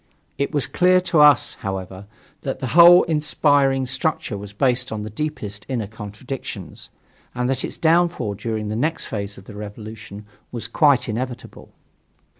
It was clear to us, however, that the whole inspiring structure was based upon the deepest inner contradictions, and that its downfall during the next phase of the revolution was quite inevitable.